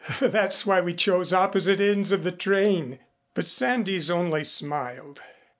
That's why we chose opposite ends of the train." But Sandys only smiled.